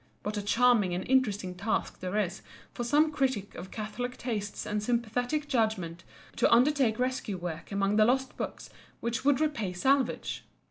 What a charming and interesting task there is for some critic of catholic tastes and sympathetic judgment to undertake rescue work among the lost books which would repay salvage!